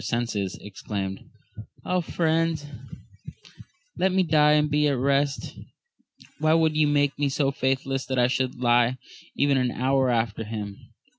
129 senses, exclaimed, Ah friends, let me die and be at rest : why would ye make me so faithless that I should live even an hour after him